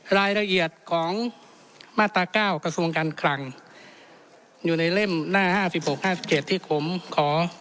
รายละเอียดของมาตรก้าวกระทรวงการคลังอยู่ในเล่มหน้าห้าสิบหกห้าสิบเจ็ดที่ผมขอ